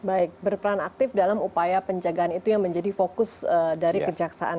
baik berperan aktif dalam upaya penjagaan itu yang menjadi fokus dari kejaksaan